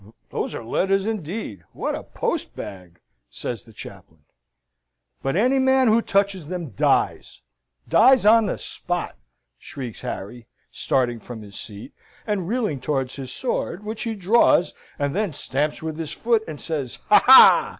"Those are letters, indeed. What a post bag!" says the chaplain. "But any man who touches them dies dies on the spot!" shrieks Harry, starting from his seat, and reeling towards his sword; which he draws, and then stamps with his foot, and says, "Ha! ha!"